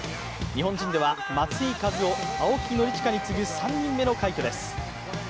日本人では松井稼頭央、青木宣親に次ぐ３人目の快挙です。